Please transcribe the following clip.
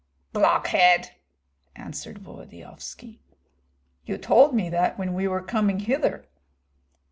"Blockhead!" answered Volodyovski. "You told me that when we were coming hither."